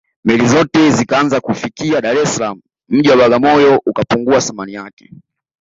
meli zote zikaanza kufikia dar es salaam mji wa bagamoyo ukapungua thamani yake